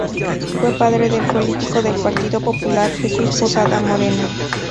Fue padre del político del Partido Popular Jesús Posada Moreno.